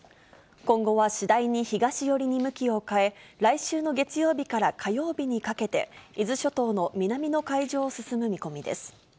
今後は次第に東寄りに向きを変え、来週の月曜日から火曜日にかけて、伊豆諸島の南の海上を進む見込みです。